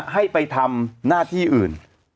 ให้ไปทำหน้าที่อื่น